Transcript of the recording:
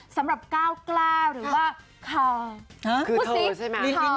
สำหรับเก้าเกล้าหรือว่าคาวหาคือคือเขาใช่ไหมคาวลิ้นลิ้น